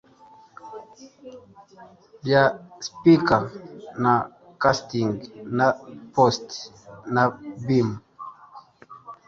bya spike na casting na post na beam